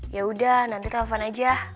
yaudah nanti telfon aja